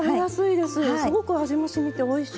すごく味もしみておいしい！